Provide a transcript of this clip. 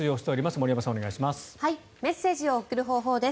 森山さん、お願いします。